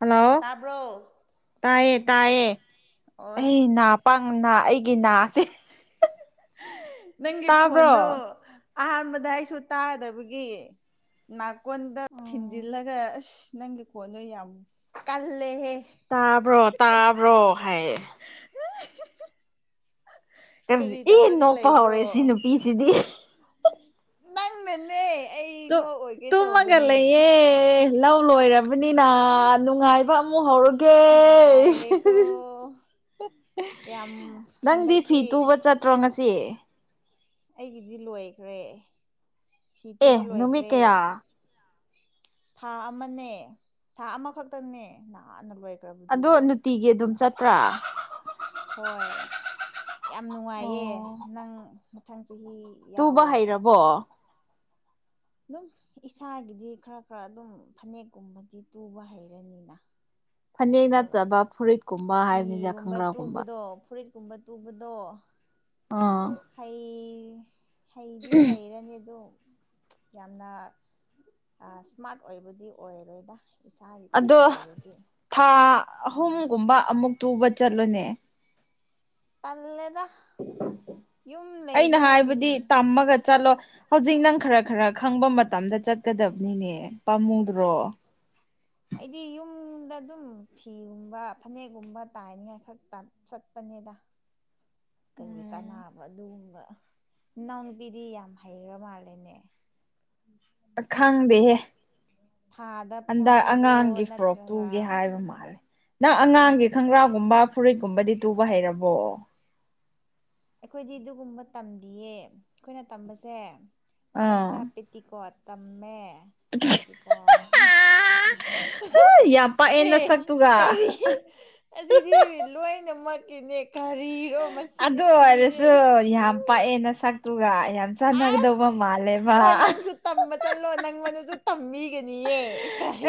hello ꯇꯥꯕ꯭ꯔꯣ ꯇꯥꯏꯌꯦ ꯇꯥꯏꯌꯦ ꯑꯩ ꯑꯣꯁ ꯅꯥ ꯄꯪꯅ ꯑꯩꯒꯤ ꯅꯥꯁꯦ ꯅꯪꯒꯤ ꯇꯥꯕ꯭ꯔꯣ ꯈꯣꯟꯗꯣ ꯑꯍꯥꯟꯕꯗ ꯑꯩꯁꯨ ꯇꯥꯗꯕꯒꯤ ꯅꯥꯀꯣꯟꯗ ꯊꯤꯟꯖꯤꯜꯂꯒ ꯑꯁ ꯅꯪꯒꯤ ꯀꯣꯟꯗꯣ ꯌꯥꯝ ꯀꯜꯂꯦꯍꯦ ꯇꯥꯕ꯭ꯔꯣ ꯇꯥꯕ꯭ꯔꯣ ꯍꯥꯏꯌꯦ ꯀꯔꯤ ꯏ ꯇꯧꯔꯒ ꯅꯣꯛꯄ ꯂꯩꯕ꯭ꯔꯣ ꯍꯧꯔꯦ ꯁꯤ ꯅꯨꯄꯤꯁꯤꯗꯤ ꯅꯪ ꯅꯅꯦ ꯇꯨ ꯇꯨꯝꯃꯒꯂꯩꯌꯦ ꯂꯧ ꯂꯣꯏꯔꯕꯅꯤꯅ ꯅꯨꯡꯉꯥꯏꯕ ꯑꯃꯨꯛ ꯍꯧꯔꯒ ꯀꯦ ꯅꯨꯡꯉꯥꯏꯔꯦꯀꯣ ꯀꯌꯥꯝ [unintelligible] ꯅꯪꯗꯤ ꯐꯤ ꯍꯟꯗꯛꯇꯤ ꯇꯨꯕ ꯆꯠꯇ꯭ꯔꯣ ꯉꯁꯤ ꯑꯩꯒꯤꯗꯤ ꯂꯣꯏꯈ꯭ꯔꯦ ꯐꯤ ꯑꯦ ꯇꯨꯕ ꯅꯨꯃꯤꯠ ꯂꯣꯏꯈ꯭ꯔꯦ ꯀꯌꯥ ꯊꯥ ꯑꯃꯅꯦ ꯊꯥ ꯑꯃꯈꯛꯇꯪꯅꯦ ꯅꯥꯟꯅ ꯂꯣꯏꯔ ꯑꯗꯣ ꯅꯨꯇꯤꯒꯤ ꯑꯗꯨꯝ ꯆꯠꯄ꯭ꯔꯥ ꯍꯣꯏ ꯌꯥꯝ ꯑꯣ ꯅꯨꯡꯉꯥꯏꯌꯦ ꯅꯪ ꯃꯊꯪ ꯆꯍꯤ ꯇꯨꯕ ꯌꯥꯎꯋꯣ ꯍꯩꯔꯕꯣ ꯑꯗꯨꯝ ꯏꯁꯥꯒꯤꯗꯤ ꯈꯔ ꯈꯔ ꯑꯗꯨꯝ ꯐꯅꯦꯛꯀꯨꯝꯕꯗꯤ ꯇꯨꯕ ꯍꯩꯔꯅꯤꯅ ꯐꯅꯦꯛ ꯑꯗꯣ ꯅꯠꯇꯕ ꯐꯨꯔꯤꯠꯀꯨꯝꯕ ꯍꯥꯏꯕꯅꯤꯗ ꯈꯪꯒ꯭ꯔꯥꯒꯨꯝꯕ ꯑꯣ ꯐꯨꯔꯤꯠ ꯀꯨꯝꯕ ꯇꯨꯕꯗꯣ ꯑꯥ ꯍꯩ ꯍꯩꯗꯤ ꯍꯩꯔꯅꯤꯗꯣ ꯌꯥꯝꯅ ꯏꯁꯃꯥꯔꯠ ꯑꯣꯏꯕꯨꯗꯤ ꯑꯣꯏꯔꯣꯏꯗ ꯏꯁꯥꯒꯤ ꯈꯛꯇ ꯑꯗꯣ ꯑꯣꯏꯔꯗꯤ ꯊꯥ ꯎꯝ ꯑꯍꯨꯝꯒꯨꯝꯕ ꯑꯃꯨꯛ ꯇꯨꯕ ꯆꯠꯂꯨꯅꯦ ꯇꯜꯂꯦꯗ ꯌꯨꯝ ꯑꯩꯅ ꯂꯩꯕ ꯍꯥꯏꯕꯗꯤ ꯇꯝꯃꯒ ꯆꯠꯂꯣ ꯍꯧꯖꯤꯛ ꯅꯪ ꯈꯔ ꯈꯔ ꯈꯪꯕ ꯃꯇꯝꯗ ꯆꯠꯀꯗꯕꯅꯤꯅꯦ ꯄꯥꯝꯃꯨꯗ꯭ꯔꯣ ꯑꯩꯗꯤ ꯌꯨꯝꯗ ꯑꯗꯨꯝ ꯐꯤꯒꯨꯝꯕ ꯐꯅꯦꯛꯒꯨꯝꯕ ꯇꯥꯏꯅꯤꯉꯥꯏ ꯈꯛꯇ ꯆꯠꯄꯅꯦꯗ ꯎꯝ ꯀꯔꯤ ꯀꯥꯅꯕ ꯑꯗꯨꯒꯨꯝꯕ ꯏꯅꯥꯎꯅꯨꯄꯤꯗꯤ ꯌꯥꯝ ꯍꯩꯔ ꯃꯥꯜꯂꯦꯅꯦ ꯈꯪꯗ ꯍꯦ ꯊꯥꯗ ꯄꯩꯁꯥ ꯍꯟꯗꯛ ꯄꯤꯕ꯭ꯔꯣ ꯑꯉꯥꯡꯒꯤ ꯐꯣꯔꯣꯛ ꯅꯠꯇ꯭ꯔꯒ ꯇꯨꯒꯦ ꯍꯥꯏꯕ ꯃꯥꯜꯂꯦ ꯅꯪ ꯑꯉꯥꯡꯒꯤ ꯈꯪꯒ꯭ꯔꯥꯒꯨꯝꯕ ꯐꯨꯔꯤꯠꯀꯨꯝꯕꯗꯤ ꯇꯨꯕ ꯍꯩꯔꯕꯣ ꯑꯩꯈꯣꯏꯗꯤ ꯑꯗꯨꯒꯨꯝꯕ ꯇꯝꯗꯤꯌꯦ ꯑꯩꯈꯣꯏꯅ ꯇꯝꯕꯁꯦ ꯐꯥꯔꯁꯇ ꯑꯥ ꯄꯤꯠ ꯄꯤꯇꯤꯀꯣꯠ ꯇꯝꯃꯦ ꯄꯤꯇꯤꯀꯣ ꯌꯥꯝ ꯄꯥꯛꯑꯦ ꯑꯦ ꯅꯁꯛꯇꯨꯒ ꯀꯔꯤ ꯑꯁꯤꯗꯤ ꯂꯣꯏꯅꯃꯛꯠꯀꯤꯅꯦ ꯀꯔꯤꯔꯣ ꯃꯁꯤ ꯅꯨꯄꯤꯁꯦ ꯑꯗꯨꯑꯣꯏꯔꯁꯨ ꯌꯥꯝ ꯄꯥꯛꯑꯦ ꯅꯁꯛꯇꯨꯒ ꯌꯥꯝ ꯆꯥꯟꯅꯒꯗꯧꯕ ꯑꯥꯁ ꯃꯥꯜꯂꯦꯕ ꯑꯣ ꯅꯪꯁꯨ ꯇꯝꯕ ꯆꯠꯂꯣ ꯅꯪꯉꯣꯟꯗꯁꯨ ꯇꯝꯕꯤꯒꯅꯤꯌꯦ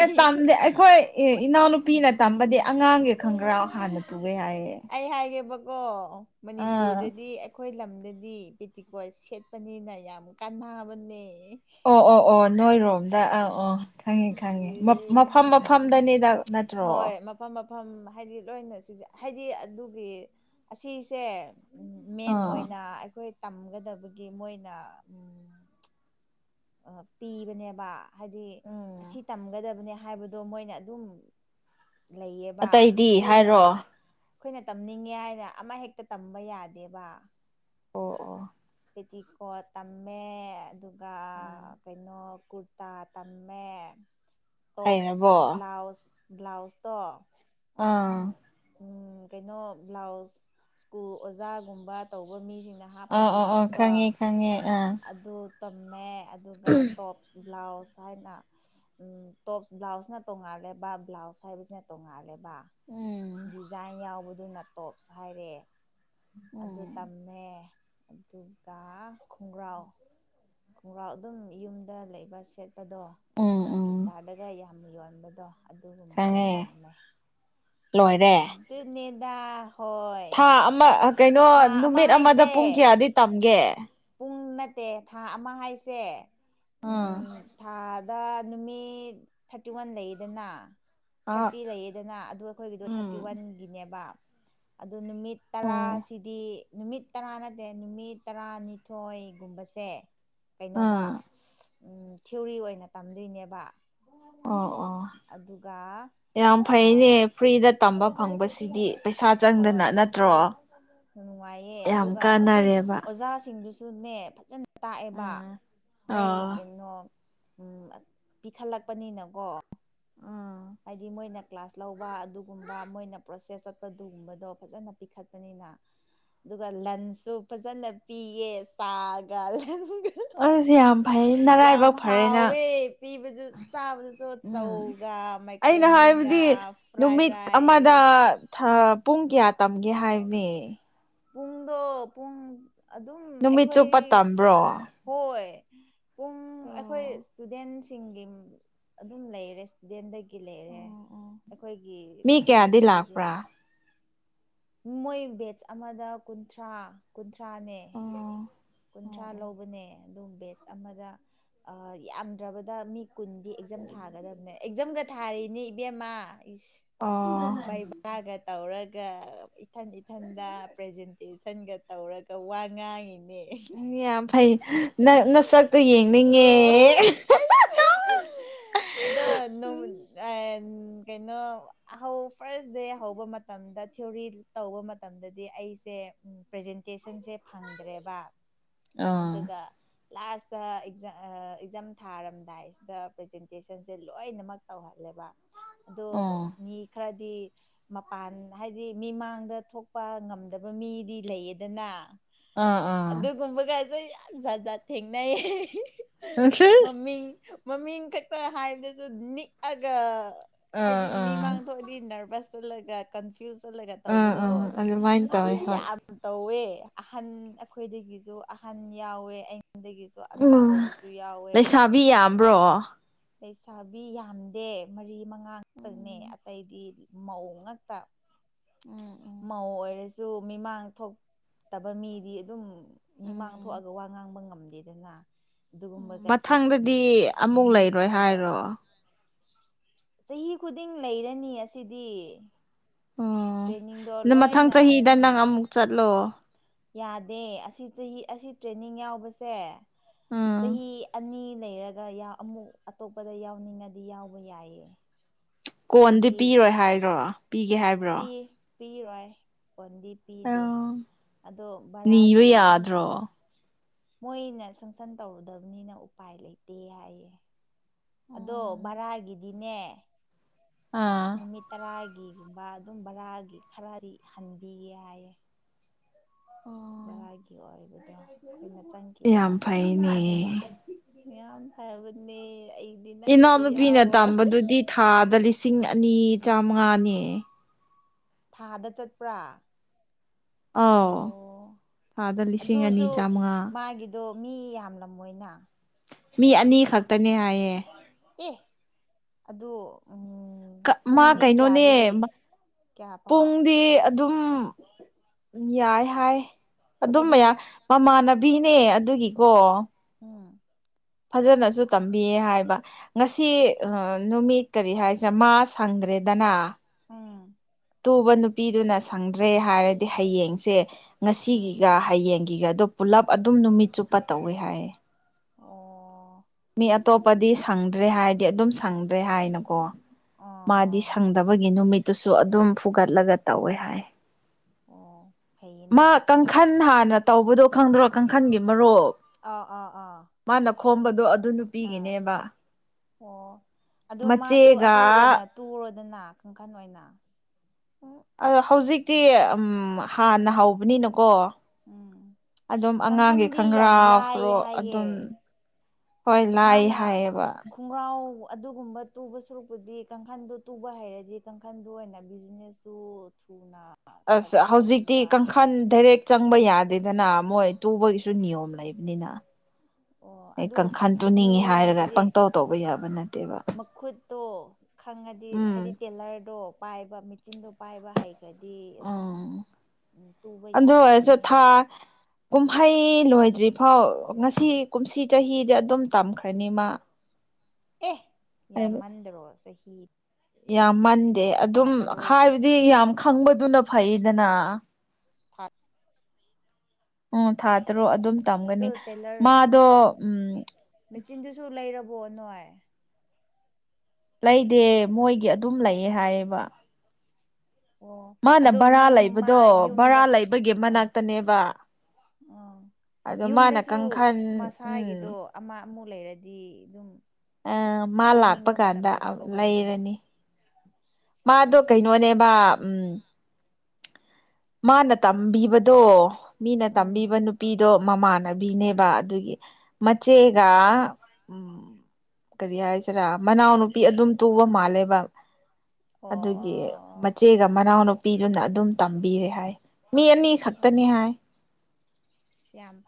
ꯑꯦ ꯇꯝꯗꯦ ꯑꯩꯈꯣꯏ ꯑꯦ ꯏꯅꯥꯎꯅꯨꯄꯤꯅ ꯇꯝꯕꯗꯤ ꯑꯉꯥꯡꯒꯤ ꯈꯪ ꯈ꯭ꯔ ꯍꯥꯟꯅ ꯇꯨꯒꯦ ꯍꯥꯏꯌꯦ ꯑꯩ ꯍꯥꯏꯒꯦꯕꯀꯣ ꯑꯥ ꯃꯅꯤꯄꯨꯔꯗꯗꯤ ꯑꯩꯈꯣꯏ ꯂꯝꯗꯗꯤ ꯄꯦꯇꯤꯀꯣ ꯁꯦꯠꯄꯅꯤꯅ ꯌꯥꯝ ꯀꯥꯟꯕꯅꯦ ꯑꯣ ꯑꯣ ꯅꯣꯏꯔꯣꯝꯗ ꯑꯥ ꯑꯥ ꯈꯪꯉꯤ ꯈꯪꯉꯤ ꯑꯦ ꯃꯐꯝ ꯃꯐꯝꯗꯅꯤꯗ ꯅꯠꯇ꯭ꯔꯣ ꯍꯣꯏ ꯃꯐꯝ ꯃꯐꯝ ꯍꯥꯏꯗꯤ ꯂꯣꯏꯅ ꯁꯤꯁꯦ ꯍꯥꯏꯗꯤ ꯑꯗꯨꯒꯤ ꯑꯁꯤꯁꯦ ꯃꯦꯟ ꯑꯥ ꯑꯣꯏꯅ ꯑꯩꯈꯣꯏ ꯇꯝꯒꯗꯕꯒꯤ ꯃꯣꯏꯅ ꯑ ꯄꯤꯕꯅꯦꯕ ꯍꯥꯏꯗꯤ ꯎꯝ ꯑꯁꯤ ꯇꯝꯒꯗꯕꯅꯦ ꯍꯥꯏꯕꯗꯣ ꯃꯣꯏꯅ ꯑꯗꯨꯝ ꯂꯩꯌꯦꯕ ꯑꯇꯩꯗꯤ ꯑꯩꯈꯣꯏꯅ ꯍꯥꯏꯔꯣ ꯑꯣ ꯑꯩꯈꯣꯏꯅ ꯇꯝꯅꯤꯡꯉꯦ ꯍꯥꯏꯅ ꯑꯃ ꯍꯦꯛꯇ ꯇꯝꯕ ꯌꯥꯗꯦꯕ ꯑꯣ ꯄꯦꯇꯤꯀꯣꯠ ꯇꯝꯃꯦ ꯑꯗꯨꯒ ꯎꯝ ꯀꯩꯅꯣ ꯀꯔꯇꯥ ꯇꯃꯦ ꯇꯣꯞꯁ ꯍꯩꯔꯕꯣ ꯕ꯭ꯂꯥꯎꯁ ꯕ꯭ꯂꯥꯎꯁ ꯇꯣ ꯑꯥ ꯎꯝ ꯀꯩꯅꯣ ꯕ꯭ꯂꯥꯎꯁ ꯁ꯭ꯀꯨꯜ ꯑꯣꯖꯥꯒꯨꯝꯕ ꯇꯧꯕ ꯃꯤꯁꯤꯡꯅ ꯍꯥꯞꯄ ꯕ꯭ꯂꯥꯎꯁꯇꯣ ꯑ ꯑꯗꯨ ꯇꯝꯃꯦ ꯑꯗꯨꯒ ꯇꯣꯞꯁ ꯕ꯭ꯂꯥꯎꯁ ꯍꯥꯏꯅ ꯎ ꯇꯣꯞꯁ ꯕ꯭ꯂꯥꯎꯁꯅ ꯇꯣꯡꯉꯥꯜꯂꯦꯕ ꯕ꯭ꯂꯥꯎꯁ ꯍꯥꯏꯕꯁꯤꯅ ꯇꯣꯡꯉꯥꯜꯂꯦꯕ ꯎꯝ ꯗꯤꯖꯥꯏꯟ ꯌꯥꯎꯕꯗꯨꯅ ꯇꯣꯞꯁ ꯍꯥꯏꯔꯦ ꯑꯗꯨ ꯎꯝ ꯇꯝꯃꯦ ꯑꯗꯨꯒ ꯈꯣꯡꯒ꯭ꯔꯥꯎ ꯈꯣꯡꯒ꯭ꯔꯥꯎ ꯑꯗꯨꯝ ꯌꯨꯝꯗ ꯂꯩꯕ ꯁꯦꯠꯄꯗꯣ ꯎꯝ ꯆ ꯎꯝ ꯆꯥꯔꯗꯒ ꯌꯥꯝ ꯌꯣꯟꯕꯗꯣ ꯑꯗꯨꯒꯨꯝꯕꯗꯣ ꯈꯪꯉꯦ ꯇꯝꯃꯦ ꯂꯣꯏꯔꯦ ꯇꯨꯅꯦꯗꯥ ꯍꯣꯏ ꯊꯥ ꯑꯃ ꯀꯩꯅꯣ ꯊꯥ ꯑꯃ ꯅꯨꯃꯤꯠ ꯑꯃꯗ ꯍꯥꯏꯁꯦ ꯄꯨꯡ ꯀꯌꯥꯗꯤ ꯇꯝꯒꯦ ꯄꯨꯡ ꯅꯠꯇꯦ ꯊꯥ ꯑꯃ ꯍꯥꯏꯁꯦ ꯑꯝ ꯎꯝ ꯊꯥꯗ ꯅꯨꯃꯤꯠ ꯊꯥꯔꯇꯤ ꯋꯥꯟ ꯂꯩꯌꯦꯗꯅ ꯑꯥ ꯊꯥꯔꯇꯤ ꯂꯩꯌꯦꯗꯅ ꯑꯗꯨ ꯑꯩꯈꯣꯏꯒꯤꯗꯣ ꯊꯥꯔꯇꯤ ꯎꯝ ꯋꯥꯟꯒꯤꯅꯦꯕ ꯑꯗꯨ ꯅꯨꯃꯤꯠ ꯇꯔꯥꯁꯤꯗꯤ ꯅꯨꯃꯤꯠ ꯇꯔꯥ ꯅꯠꯇꯦ ꯅꯨꯃꯤꯠ ꯇꯔꯥꯅꯤ ꯊꯣꯏꯒꯨꯝꯕꯁꯦ ꯀꯩꯅꯣꯕ ꯑꯥ ꯎ ꯊꯤꯎꯔꯤ ꯑꯣꯏꯅ ꯇꯝꯗꯣꯏꯅꯦꯕ ꯑꯣ ꯑꯣ ꯑꯗꯨꯒ ꯌꯥꯝ ꯑꯥ ꯐꯩꯅꯦ ꯐ꯭ꯔꯤꯗ ꯇꯝꯕ ꯐꯪꯕꯁꯤꯗꯤ ꯄꯩꯁꯥ ꯆꯪꯗꯅ ꯍꯣꯏ ꯅꯠꯇ꯭ꯔꯣ ꯅꯨꯡꯉꯥꯏꯌꯦ ꯌꯥꯝ ꯑꯗꯨꯒ ꯑꯗꯨꯝ ꯀꯥꯟꯅꯔꯦꯕ ꯑꯣꯖꯥꯁꯤꯡꯗꯨꯁꯨꯅꯦ ꯐꯖꯅ ꯇꯥꯛꯑꯦꯕ ꯎꯝ ꯃꯣꯏ ꯑꯥ ꯀꯩꯅꯣ ꯎꯝ ꯑꯁ ꯄꯤꯈꯠꯂꯛꯄꯅꯤꯅꯀꯣ ꯑ ꯍꯥꯏꯗꯤ ꯃꯣꯏꯅ ꯀ꯭ꯂꯥꯁ ꯂꯧꯕ ꯑꯗꯨꯒꯨꯝꯕ ꯃꯣꯏꯅ ꯄ꯭ꯔꯣꯁꯦꯁ ꯆꯠꯄꯗꯨꯒꯨꯝꯕꯗꯣ ꯐꯖꯅ ꯄꯤꯈꯠꯄꯅꯤꯅ ꯑꯗꯨꯒ ꯂꯟꯁꯁꯨ ꯐꯖꯅ ꯄꯤꯌꯦ ꯆꯥꯒ ꯂꯟꯁꯒ ꯑꯁ ꯌꯥꯝ ꯐꯩ ꯌꯥꯝ ꯅꯔꯥꯏꯕꯛ ꯐꯔꯦ ꯅꯪ ꯍꯥꯎꯋꯦ ꯄꯤꯕꯁꯨ ꯆꯥꯕꯗꯁꯨ ꯎꯝ ꯆꯧꯒ ꯃꯩꯛ ꯑꯩꯅ ꯃꯀ꯭ꯔꯣꯅꯤꯒꯥ ꯍꯥꯏꯕꯗꯤ ꯐ꯭ꯔꯥꯏ ꯅꯨꯃꯤꯠ ꯑꯃꯗ ꯔꯥꯏꯁ ꯄꯨꯡ ꯀꯌꯥ ꯇꯝꯒꯦ ꯍꯥꯏꯕꯅꯦ ꯄꯨꯡꯗꯣ ꯄꯨꯡ ꯑꯗꯨꯝ ꯅꯨꯃꯤꯠ ꯑꯩꯈꯣꯏ ꯆꯨꯞꯄ ꯇꯝꯕ꯭ꯔꯣ ꯍꯣꯏ ꯄꯨꯡ ꯑꯩꯈꯣꯏ ꯏꯁꯇꯨꯗꯦꯟꯁꯤꯡꯒꯤ ꯑꯗꯨꯝ ꯂꯩꯔꯦ ꯁꯤꯗꯦꯟꯗꯒꯤ ꯂꯩꯔꯦ ꯑꯩꯈꯣꯏꯒꯤ ꯃꯤ ꯀꯌꯥꯗꯤ ꯕꯦꯠꯁꯤꯇꯗꯤ ꯂꯥꯛꯄ꯭ꯔꯥ ꯃꯣꯏ ꯕꯦꯠꯆ ꯑꯃꯗ ꯀꯨꯟꯊ꯭ꯔꯥ ꯀꯨꯟꯊ꯭ꯔꯥꯅꯦ ꯑꯣ ꯑꯣ ꯀꯨꯟꯊ꯭ꯔꯥ ꯂꯧꯕꯅꯦ ꯑꯗꯨꯝ ꯕꯦꯠꯁ ꯑꯃꯗ ꯌꯥꯝꯗ꯭ꯔꯕꯗ ꯃꯤ ꯀꯨꯟꯗꯤ ꯑꯦꯛꯖꯥꯝ ꯊꯥꯒꯗꯕꯅꯦ ꯑꯦꯛꯖꯥꯝꯒ ꯊꯥꯔꯤꯅꯦ ꯏꯕꯦꯝꯃ ꯑꯣ ꯕꯥ ꯃꯥꯒ ꯇꯧꯔꯒ ꯏꯊꯟ ꯏꯊꯟꯗ ꯄ꯭ꯔꯦꯖꯦꯟ ꯑꯦꯁꯟꯒ ꯇꯧꯔꯒ ꯋꯥ ꯉꯥꯡꯉꯤꯅꯦ ꯎ ꯌꯥꯝ ꯐꯩ ꯅ ꯅ ꯁꯛꯇꯨ ꯌꯦꯡꯅꯤꯡꯉꯦ [inaudible] ꯑꯗ ꯑ ꯀꯩꯅꯣ ꯍ ꯐꯥꯔꯁ ꯗꯦ ꯍꯧꯕ ꯃꯇꯝꯗ ꯊꯤꯑꯣꯣꯔꯤ ꯇꯧꯕ ꯃꯇꯝꯗꯗꯤ ꯑꯩꯁꯦ ꯎꯝ ꯄ꯭ꯔꯖꯦꯟꯇꯦꯁꯟꯁꯦ ꯐꯪꯗ꯭ꯔꯦꯕ ꯑꯥ ꯑꯗꯨꯒ ꯂꯥꯁꯇ ꯑꯦꯛꯖꯥꯝ ꯑꯦꯛꯖꯥꯝ ꯊꯥꯔꯝꯗꯥꯏꯁꯤꯗ ꯄ꯭ꯔꯖꯦꯟꯇꯦꯁꯟꯁꯦ ꯂꯣꯏꯅꯃꯛ ꯇꯧꯍꯜꯂꯦꯕ ꯑꯗꯣ ꯑꯣ ꯃꯤ ꯈꯔꯗꯤ ꯃꯄꯥꯟ ꯍꯥꯏꯗꯤ ꯃꯤꯃꯥꯡꯗ ꯊꯣꯛꯄ ꯉꯝꯗꯕ ꯃꯤꯗꯤ ꯂꯩꯌꯦꯗꯅ ꯑ ꯑꯗꯨꯒꯨꯝꯕꯒꯁꯨ ꯌꯥꯝ ꯖꯥꯠ ꯖꯥꯠ ꯊꯦꯡꯅꯩ ꯑꯥ ꯃꯃꯤꯡ ꯃꯃꯤꯡ ꯈꯛꯇ ꯍꯥꯏꯕꯗꯁꯨ ꯅꯤꯛꯑꯒ ꯑꯥ ꯍꯥꯏꯗꯤ ꯃꯤꯃꯥꯡ ꯊꯣꯛꯑ ꯅꯔꯚꯁ ꯆꯜꯂꯒ ꯀꯟꯐ꯭ꯌꯨꯁ ꯆꯜꯂꯒ ꯑꯥ ꯇꯧꯕꯗꯣ ꯑꯥ ꯑꯗꯨꯃꯥꯏꯅ ꯑꯗꯨ ꯇꯧꯋꯦ ꯍꯣꯏ ꯌꯥꯝ ꯇꯧꯋꯦ ꯑꯍꯟ ꯑꯩꯈꯣꯏꯗꯒꯤꯁꯨ ꯑꯍꯟ ꯌꯥꯎꯋꯦ ꯑꯩꯉꯣꯟꯗꯒꯤꯁꯨ ꯑꯉꯥꯡ ꯎꯝ ꯑꯣꯏꯕꯁꯨ ꯌꯥꯎꯋꯦ ꯂꯩꯁꯥꯕꯤ ꯌꯥꯝꯕ꯭ꯔꯣ ꯂꯩꯁꯥꯕꯤ ꯌꯥꯝꯗꯦ ꯃꯔꯤ ꯃꯉꯥ ꯉꯛꯇꯅꯦ ꯎꯝ ꯑꯇꯩꯗꯤ ꯃꯧ ꯉꯥꯛꯛꯇ ꯎꯝ ꯎꯝ ꯃꯧ ꯑꯣꯏꯔꯁꯤ ꯁꯨ ꯃꯤꯃꯥꯡ ꯊꯣꯛꯇꯕ ꯃꯤꯗꯤ ꯑꯗꯨꯝ ꯃꯤꯃꯥꯡ ꯊꯣꯛꯑꯒ ꯎꯝ ꯋꯥ ꯉꯥꯡꯕ ꯉꯝꯗꯦꯗꯅ ꯑꯗꯨꯒꯨꯝꯕꯒꯁꯦ ꯃꯊꯪꯗꯗꯤ ꯑꯃꯨꯛ ꯂꯩꯔꯣꯏ ꯅꯤꯛꯑꯒ ꯍꯥꯏꯔꯣ ꯆꯍꯤ ꯈꯨꯗꯤꯡ ꯂꯩꯔꯅꯤ ꯑꯁꯤꯗꯤ ꯎꯝ ꯇ꯭ꯔꯦꯟꯅꯤꯡꯗꯣ ꯂꯣꯏꯅ ꯑꯗꯨꯝ ꯍꯂꫭ ꯌꯥꯗꯦ ꯑꯁꯤ ꯆꯍꯤ ꯑꯁꯤ ꯇ꯭ꯔꯦꯅꯤꯡ ꯌꯥꯎꯕꯁꯦ ꯎꯝ ꯆꯍꯤ ꯑꯅꯤ ꯂꯩꯔꯒ ꯑꯃꯨꯛ ꯑꯇꯣꯞꯄꯗ ꯌꯥꯎꯅꯤꯡꯉꯗꯤ ꯌꯥꯎꯕ ꯌꯥꯏꯌꯦ ꯀꯣꯟꯗꯤ ꯍꯥꯏꯗꯤ ꯄꯤꯔꯣꯏ ꯍꯥꯏꯔꯣ ꯄꯤꯒꯦ ꯍꯥꯏ ꯄꯤ ꯄꯤ ꯔꯥꯏ ꯀꯣꯟꯗꯤ ꯑ ꯄꯤꯗꯦ ꯑꯗꯣ ꯅꯤꯕ ꯚꯔꯥꯒꯤ ꯑꯗꯨꯝ ꯌꯥꯗ꯭ꯔꯣ ꯃꯣꯏꯅ ꯁꯪꯁꯟ ꯇꯧꯔꯨꯗꯕꯅꯤꯅ ꯎꯄꯥꯏ ꯂꯩꯇꯦ ꯍꯥꯏꯌꯦ ꯑꯗꯣ ꯚꯔꯥꯒꯤꯗꯤꯅꯦ ꯑꯥ ꯅꯨꯃꯤꯠ ꯇꯔꯥꯒꯤꯒꯨꯝꯕ ꯑꯗꯨꯝ ꯚꯔꯥꯒꯤ ꯈꯔꯗꯤ ꯍꯟꯕꯤꯌꯦ ꯍꯥꯏꯌꯦ ꯑꯣ ꯚꯔꯥꯒꯤ ꯑꯣꯏꯕꯗꯣ ꯑꯩꯈꯣꯏꯅ ꯆꯪꯈꯤꯕ ꯌꯥꯝ ꯐꯩꯅꯦ ꯃꯌꯥꯝ ꯐꯕꯅꯦ ꯑꯩ ꯏꯅꯥꯎꯅꯨꯄꯤꯅ ꯇꯝꯕꯗꯨꯗꯤ ꯊꯥꯗ ꯂꯤꯁꯤꯡ ꯑꯅꯤ ꯆꯥꯃꯉꯥꯅꯦ ꯊꯥꯗ ꯆꯠꯄ꯭ꯔꯥ ꯑꯧ ꯑꯣ ꯊꯥꯗ ꯂꯤꯁꯤꯡ ꯑꯅꯤ ꯑꯗꯨꯁꯨ ꯆꯥꯃꯉꯥ ꯃꯥꯒꯤ ꯗꯣ ꯃꯤ ꯌꯥꯝꯂꯝꯃꯣꯏꯅ ꯃꯤ ꯑꯅꯤꯈꯛꯇꯅꯦ ꯍꯥꯏꯌꯦ ꯑꯦ ꯑꯗꯨ ꯎꯝ ꯃꯥ ꯄꯨꯡꯗꯤ ꯀꯩꯅꯣꯅꯦ ꯀꯌꯥꯗꯒꯤ ꯀꯌꯥ ꯐꯥꯎ ꯄꯨꯡꯗꯤ ꯑꯗꯨꯝ ꯌꯥꯏ ꯍꯥꯏ ꯑꯗꯨꯝ ꯍꯥꯏꯗꯤ ꯃꯌꯥ ꯃꯃꯥꯟꯅ ꯕꯤꯅꯦ ꯑꯗꯨꯒꯤꯀꯣ ꯎꯝ ꯐꯖꯅꯁꯨ ꯇꯝꯕꯤꯌꯦ ꯍꯥꯏꯕ ꯉꯁꯤ ꯅꯨꯃꯤꯠ ꯀꯔꯤ ꯍꯥꯏꯁꯤꯔꯥ ꯃꯥ ꯁꯪꯗ꯭ꯔꯦꯗꯅ ꯎꯪ ꯇꯨꯕ ꯅꯨꯄꯤꯗꯨꯅ ꯁꯪꯗ꯭ꯔꯦ ꯍꯥꯏꯔꯗꯤ ꯍꯌꯦꯡꯁꯦ ꯎꯝ ꯉꯁꯤꯒꯤꯒ ꯍꯌꯦꯡꯒꯤꯒꯗꯣ ꯄꯨꯜꯂꯞ ꯑꯗꯨꯝ ꯅꯨꯃꯤꯠ ꯆꯨꯞꯄ ꯇꯧꯋꯦ ꯍꯥꯏꯌꯦ ꯑꯣ ꯃꯤ ꯑꯇꯣꯞꯄꯗꯤ ꯁꯪꯗ꯭ꯔꯦ ꯍꯥꯏꯔꯗꯤ ꯑꯗꯨꯝ ꯁꯪꯗ꯭ꯔꯦ ꯍꯥꯏꯅꯀꯣ ꯃꯥꯗꯤ ꯑꯣ ꯁꯪꯗꯕ ꯒꯤ ꯅꯨꯃꯤꯠꯇꯨꯁꯨ ꯑꯗꯨꯝ ꯐꯨꯒꯠꯂꯒ ꯇꯧꯋꯦ ꯍꯥꯏ ꯑꯣ ꯃꯥ ꯐꯩꯌꯦꯅꯦ ꯀꯥꯡꯈꯟ ꯍꯥꯟꯅ ꯇꯧꯕꯗꯣ ꯈꯪꯗ꯭ꯔꯣ ꯀꯥꯡꯈꯟꯒꯤ ꯃꯔꯨꯞ ꯑꯥ ꯑꯥ ꯑꯥ ꯃꯥꯅ ꯈꯣꯝꯕꯗꯣ ꯑꯗꯨ ꯅꯨ ꯑꯥ ꯑꯣ ꯑꯗꯨ ꯃꯥꯁꯨ ꯃꯆꯦꯒ ꯑꯗꯨ ꯑꯣꯏꯅ ꯇꯨꯔꯣꯗꯅ ꯀꯥꯡꯈꯟ ꯑꯣꯏꯅ ꯑꯗ ꯍꯧꯖꯤꯛꯇꯤ ꯎꯝ ꯍꯥꯟꯅ ꯍꯧꯕꯅꯤꯅꯀꯣ ꯎꯝ ꯑꯗꯨꯝ ꯑꯉꯥꯡꯒꯤ ꯀꯥꯡꯈꯟꯗꯤ ꯌꯥꯝ ꯈꯪꯒ꯭ꯔꯥꯎ ꯂꯥꯏ ꯐ꯭ꯔꯣꯛ ꯍꯥꯏꯌꯦ ꯑꯗꯨꯝ ꯍꯣꯏ ꯂꯥꯏ ꯃꯥꯅ ꯍꯥꯏꯌꯦꯕ ꯈꯨ ꯈꯣꯡꯒ꯭ꯔꯥꯎ ꯑꯗꯨꯒꯨꯝꯕ ꯇꯨꯕ ꯁꯨꯔꯨꯛꯄꯨꯗꯤ ꯀꯥꯡꯈꯟꯗꯨ ꯇꯨꯕ ꯍꯩꯔꯗꯤ ꯀꯥꯡꯈꯟꯗꯨ ꯑꯣꯏꯅ ꯕꯤꯖꯤꯅꯦꯁ ꯇꯨ ꯊꯨꯅ ꯑꯁ ꯊꯥꯒꯠꯄ ꯍꯧꯖꯤꯛꯇꯤ ꯉꯝꯕ ꯀꯥꯡꯈꯟ ꯗꯥꯏꯔꯦꯛ ꯆꯪꯕ ꯌꯥꯗꯦꯗꯅ ꯃꯣꯏ ꯇꯨꯕꯒꯤꯁꯨ ꯅꯤꯌꯣꯝ ꯂꯩꯕꯅꯤꯅ ꯑꯣ ꯑꯩ ꯑꯗꯨ ꯀꯥꯡꯈꯟ ꯃꯤ ꯇꯨꯅꯤꯡꯉꯤ ꯍꯥꯏꯔꯒ ꯍꯥꯏꯕꯁꯤꯗꯤ ꯄꯪꯇꯧ ꯇꯧꯕ ꯌꯥꯕ ꯅꯠꯇꯦꯕ ꯃꯈꯨꯠꯇꯣ ꯈꯪꯉꯗꯤ ꯍꯥꯏꯗꯤ ꯎꯝ ꯇꯦꯂꯔꯗꯣ ꯄꯥꯏꯕ ꯃꯦꯆꯤꯟꯗꯣ ꯄꯥꯏꯕ ꯍꯩ ꯈꯔꯗꯤ ꯑꯗꯨꯝ ꯎꯝ ꯎ ꯇꯨꯕ ꯑꯗꯨ ꯑꯣꯏꯔꯁꯨ ꯌꯥꯔꯅꯤꯗ ꯊꯥ ꯀꯨꯝꯍꯩ ꯂꯣꯏꯗ꯭ꯔꯤꯐꯥꯎ ꯉꯁꯤ ꯀꯨꯝꯁꯤ ꯆꯍꯤꯗꯤ ꯑꯗꯨꯝ ꯇꯝꯈ꯭ꯔꯅꯤ ꯃꯥ [inaudible] ꯑꯦ ꯌꯥꯝꯃꯟꯗ꯭ꯔꯣ ꯆꯍꯤ ꯌꯥꯝ ꯃꯟꯗꯦ ꯊꯥ ꯑꯗꯨꯝ ꯇꯔꯨꯛ ꯍꯥꯏꯕꯗꯤ ꯌꯥꯝ ꯈꯪꯕꯗꯨꯅ ꯐꯩꯗꯅ [unintelligible] ꯎꯝ ꯊꯥ ꯇꯔꯨꯛ ꯑꯗꯨꯝ ꯑꯗꯨ ꯇꯝꯒꯅꯤ ꯇꯦꯂꯔ ꯃꯥꯗꯣ ꯎꯝ ꯃꯦꯆꯤꯟꯗꯨꯁꯨ ꯂꯩꯔꯕꯣ ꯅꯣꯏ ꯂꯩꯗꯦ ꯃꯣꯏꯒꯤ ꯑꯗꯨꯝ ꯂꯩꯌꯦ ꯍꯥꯏꯌꯦꯕ ꯑꯣ ꯃꯥꯅ ꯑꯗꯣ ꯕꯔꯥ ꯅꯪ ꯃꯥ ꯂꯩꯕꯗꯣ ꯕꯔꯥ ꯌꯨꯝꯗ ꯂꯩꯕꯒꯤ ꯃꯅꯥꯛꯇꯅꯦꯕ ꯑꯣ ꯑꯗꯣ ꯃꯥꯅ ꯌꯨꯝꯗꯁꯨ ꯀꯥꯡꯈꯟ ꯃꯁꯥꯒꯤꯗꯣ ꯎꯝ ꯑꯃ ꯑꯃꯨꯛ ꯂꯩꯔꯗꯤ ꯑꯗꯨꯝ ꯃꯥ ꯂꯥꯛꯄ ꯊꯧꯅꯤꯡꯕ ꯀꯥꯟꯗ ꯃꯇꯝꯗ ꯊꯧꯕꯩꯅ ꯂꯩꯔꯅꯤ ꯃꯥꯗꯣ ꯀꯩꯅꯣꯅꯦꯕ ꯎꯝ ꯃꯥꯅ ꯇꯝꯕꯤꯕꯗꯣ ꯃꯤꯅ ꯇꯝꯕꯤꯕ ꯎꯝ ꯅꯨꯄꯤꯗꯣ ꯃꯃꯥꯟꯅꯕꯤꯅꯦꯕ ꯑꯗꯨꯒꯤ ꯃꯆꯦꯒ ꯎ ꯎꯝ ꯀꯔꯤ ꯍꯥꯏꯁꯤꯔꯥ ꯃꯅꯥꯎꯅꯨꯄꯤ ꯑꯗꯨꯝ ꯇꯨꯕ ꯃꯥꯜꯂꯦꯕ ꯑꯣ ꯑꯗꯨꯒꯤ ꯑꯣ ꯃꯆꯦꯒ ꯃꯅꯥꯎꯅꯨꯄꯤꯗꯨꯅ ꯑꯗꯨꯝ ꯇꯝꯕꯤꯔꯦ ꯍꯥꯏ ꯃꯤ ꯑꯅꯤ ꯈꯛꯇꯅꯤ ꯍꯥꯏ ꯁ꯭ꯌꯥꯝ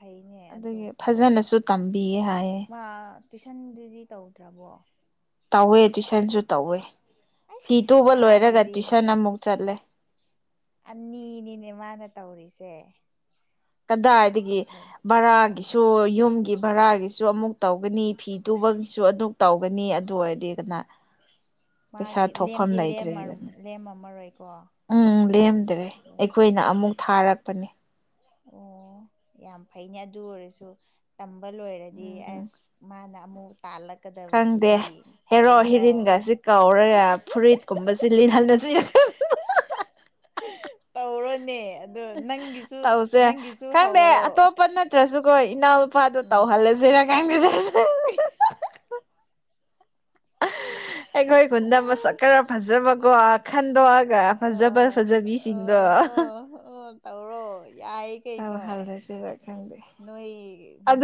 ꯑꯗꯨꯒꯤ ꯐꯖꯅꯁꯨ ꯇꯝꯕꯤꯌꯦ ꯍꯥꯏꯌꯦ ꯃꯥ ꯇꯨꯏꯁꯟꯗꯨꯗꯤ ꯇꯧꯗ꯭ꯔꯕꯣ ꯇꯧꯋꯦ ꯇꯨꯏꯁꯟꯁꯨ ꯇꯧꯋꯦ ꯐꯤ ꯑꯁ ꯇꯨꯕ ꯂꯣꯏꯔꯒ ꯃꯥꯁꯤꯗꯤ ꯇꯨꯏꯁꯟ ꯑꯃꯨꯛ ꯆꯠꯂꯦ ꯑꯅꯤꯅꯤꯅꯦ ꯃꯥꯅ ꯇꯧꯔꯤꯁꯦ ꯀꯗꯥꯏꯗꯒꯤ ꯂꯩ ꯕꯔꯥꯒꯤꯁꯨ ꯁ ꯌꯨꯝꯒꯤ ꯚꯔꯥꯒꯤꯁꯨ ꯑꯃꯨꯛ ꯇꯧꯒꯅꯤ ꯐꯤ ꯇꯨꯕꯒꯤꯁꯨ ꯑꯃꯛ ꯇꯧꯒꯅꯤ ꯑꯗꯨ ꯑꯣꯏꯔꯗꯤ ꯀꯅꯥ [inaudible] ꯃꯥꯒꯤ ꯄꯩꯁꯥ ꯊꯣꯛꯐꯝ ꯂꯦꯝꯗꯤ ꯂꯩꯇ꯭ꯔꯦꯗꯅ ꯂꯦꯝꯃꯝꯃꯔꯣꯏꯀꯣ ꯎꯝ ꯂꯦꯝꯗ꯭ꯔꯦ ꯑꯩꯈꯣꯏꯅ ꯑꯃꯨꯛ ꯊꯥꯔꯛꯄꯅꯦ ꯑꯣ ꯌꯥꯝ ꯐꯩꯅꯦ ꯑꯗꯨ ꯑꯣꯏꯔꯁꯨ ꯇꯝꯕ ꯂꯣꯏꯔꯗꯤ ꯎꯝ ꯑꯁ ꯃꯥ ꯅ ꯃꯨ ꯇꯥꯂꯛ ꯈꯪꯗꯦ ꯀꯠꯀꯗꯕꯁꯤꯗꯤ ꯍꯦꯔꯣ ꯀꯩꯅꯣ ꯍꯦꯔꯤꯟꯒꯁꯤ ꯀꯧꯔꯒ ꯐꯨꯔꯤꯠꯀꯨꯝꯕꯁꯤ ꯂꯤꯠꯍꯜꯂꯁꯤ ꯇꯧꯔꯣꯅꯦ ꯑꯗꯣ ꯅꯪꯒꯤꯁꯨ ꯁꯦ ꯅꯪꯒꯤꯁꯨ ꯈꯪꯗꯦ ꯍꯧꯔꯣ ꯑꯇꯣꯞꯄꯅ ꯅꯠꯇ꯭ꯔꯁꯨꯀꯣ ꯏꯅꯥꯎ ꯂꯨꯄꯥꯗꯣ ꯎꯝ ꯇꯧꯍꯜꯂꯁꯤꯔ ꯀꯥꯟꯒꯁ ꯑ ꯑꯩꯈꯣꯏ ꯈꯨꯟꯗ ꯃꯁꯛ ꯈꯔ ꯐꯖꯕꯀꯣ ꯈꯟꯗꯣꯛꯑꯒ ꯐꯖꯕ ꯐꯖꯕꯤꯁꯤꯡꯗꯣ ꯑꯣ ꯑꯣ ꯇꯧꯔꯣ ꯌꯥꯏ ꯀꯩꯅꯣ ꯇꯧꯍꯜꯂꯁꯤꯔ ꯈꯪꯗꯦ ꯅꯣꯏ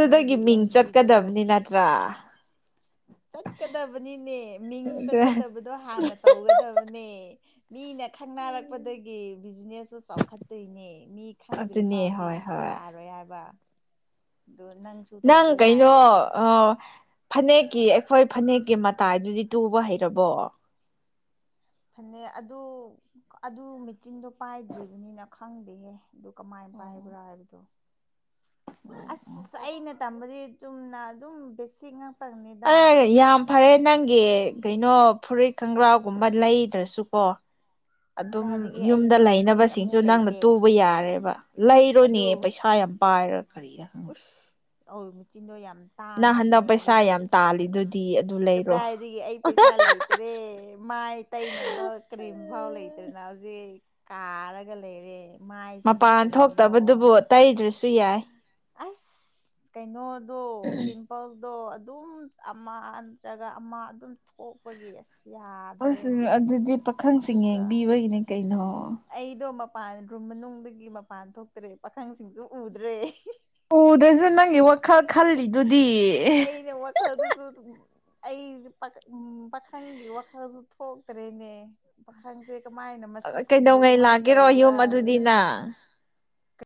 ꯅꯣꯏꯒꯤ ꯂꯝꯕꯤꯗꯣ ꯇꯔꯥ ꯆꯠꯀꯗꯕꯅꯤꯅꯦ ꯃꯤꯡ ꯆꯠꯀꯗꯕꯗꯣ ꯍꯥꯟꯅ ꯇꯧꯒꯗꯕꯅꯦ ꯃꯤꯅ ꯈꯪꯅꯔꯛꯄꯗꯒꯤ ꯕꯤꯖꯤꯅꯦꯁꯁꯨ ꯆꯥꯎꯈꯠꯇꯣꯏꯅꯦ ꯃꯤ ꯈꯪꯗ꯭ꯔꯤ ꯑꯗꯨꯅꯦ ꯐꯥꯎꯗꯤ ꯍꯣꯏ ꯍꯣꯏ ꯌꯥꯔꯣꯏ ꯍꯥꯏꯕ [inaudible] ꯅꯪ ꯅꯪ ꯀꯩꯅꯣ ꯑꯣ ꯐꯅꯦꯛꯀꯤ ꯑꯩꯈꯣꯏ ꯐꯅꯦꯛꯀꯤ ꯃꯇꯥꯏꯗꯨꯗꯤ ꯇꯨꯕ ꯍꯩꯔꯕꯣ ꯐꯅꯦꯛ ꯑꯗꯨ ꯑꯗꯨ ꯃꯦꯆꯤꯟꯗꯣ ꯄꯥꯏꯗ꯭ꯔꯤꯕꯅꯤꯅ ꯈꯪꯗꯦꯍꯦ ꯑꯗꯨ ꯀꯃꯥꯏꯅ ꯑꯣ ꯄꯥꯏꯕ꯭ꯔꯥ ꯍꯥꯏꯕꯗꯣ ꯑꯁ ꯑꯩꯅ ꯇꯝꯕꯗꯤ ꯆꯨꯝꯅ ꯑꯗꯨꯝ ꯕꯦꯁꯤꯡ ꯌꯥꯝ ꯐꯔꯦ ꯅꯪꯒꯤ ꯀꯩꯅꯣ ꯐꯨꯔꯤꯠ ꯈꯣꯡꯒ꯭ꯔꯥꯎꯒꯨꯝꯕ ꯂꯩꯗ꯭ꯔꯁꯨꯀꯣ ꯑꯗꯨꯝ ꯀꯗꯥꯏꯗꯒꯤ ꯌꯨꯝꯗ ꯑꯩꯗꯤ ꯃꯦꯆꯤꯟ ꯂꯩꯅꯕꯁꯤꯡꯁꯨ ꯑꯃꯨꯛ ꯅꯪꯅ ꯂꯩꯇꯦ ꯇꯨꯕ ꯌꯥꯔꯦꯕ ꯂꯩꯔꯣꯅꯦ ꯑꯗꯨ ꯄꯩꯁꯥ ꯌꯥꯝ ꯄꯥꯏꯔ ꯀꯔꯤ ꯎꯁ ꯑ ꯃꯦꯆꯤꯟꯗꯣ ꯌꯥꯝ ꯅꯪ ꯇꯥꯡꯉꯕꯅꯦ ꯍꯟꯗꯛ ꯄꯩꯁꯥ ꯍꯧꯖꯤꯛꯁꯦ ꯌꯥꯝ ꯇꯥꯜꯂꯤꯗꯨꯗꯤ ꯑꯗꯨ ꯂꯩꯔꯣ ꯀꯗꯥꯏ ꯑꯩ ꯄꯩꯁꯥ ꯂꯩ ꯂꯩꯔꯦ ꯃꯥꯏ ꯇꯩꯅꯕ ꯀꯔꯤꯝ ꯐꯥꯎ ꯂꯩꯇ꯭ꯔꯦꯅ ꯍꯧꯖꯤꯛ ꯀꯥꯔꯒ ꯂꯩꯔꯦ ꯃꯥꯏꯁꯤꯅ ꯃꯄꯥꯟ ꯀꯔꯤꯅꯣ ꯊꯣꯛꯇꯕꯗꯨꯕꯨ ꯇꯩꯗ꯭ꯔꯁꯨ ꯌꯥꯏ ꯑꯁ ꯀꯩꯅꯣꯗꯣ ꯄꯤꯝ ꯄꯜꯁꯇꯣ ꯑꯗꯨꯝ ꯑꯃ ꯅꯠꯇ꯭ꯔꯒ ꯑꯃ ꯑꯗꯨꯝ ꯊꯣꯛꯄꯒꯤ ꯑꯁ ꯌꯥꯗꯔꯦ ꯑꯁ ꯑꯗꯨꯗꯤ ꯄꯥꯈꯪꯁꯤꯡ ꯑꯗꯨꯒ ꯌꯦꯡꯕꯤꯕꯒꯤꯅꯤ ꯀꯩꯅꯣ ꯑꯩꯗꯣ ꯃꯄꯥꯟ ꯔꯨꯝ ꯃꯅꯨꯡꯗꯒꯤ ꯃꯄꯥꯟ ꯊꯣꯛꯇ꯭ꯔꯦ ꯄꯥꯈꯪꯁꯤꯡꯁꯨ ꯎꯗ꯭ꯔꯦ ꯎꯗꯁꯨ ꯅꯪꯒꯤ ꯋꯥꯈꯜ ꯈꯜꯂꯤꯗꯨꯗꯤ ꯈꯔꯗꯨꯁꯨ ꯑꯩꯗꯤ ꯎꯝ ꯄꯥꯈꯪꯒꯤ ꯋꯥꯈꯜꯁꯨ ꯊꯣꯛꯇ꯭ꯔꯦꯅꯦ ꯄꯥꯈꯪꯁꯦ ꯀꯃꯥꯏꯅ ꯃꯁꯛꯁꯤꯡꯗꯣ ꯀꯩꯗꯧꯉꯩ ꯀꯃꯥꯏꯅ ꯂꯥꯛꯀꯦꯔꯣ ꯇꯧꯕ꯭ꯔꯥ ꯌꯨꯝ ꯑꯗꯨꯗꯤ ꯅꯪ